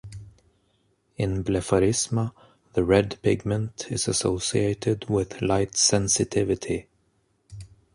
In "Blepharisma", the red pigment is associated with light sensitivity.